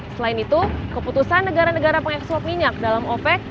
selain itu keputusan negara negara pengeksor minyak dalam ovec